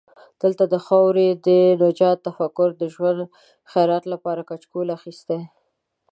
دلته د خاورې د نجات تفکر د ژوند خیرات لپاره کچکول اخستی.